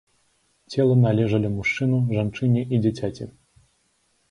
Целы належалі мужчыну, жанчыне і дзіцяці.